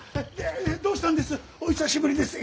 どうしたんです？